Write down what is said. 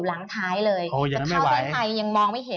หลังไทยคือวิ่งอยู่ถึงหลังไทยเลย